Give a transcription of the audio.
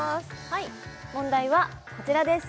はい問題はこちらです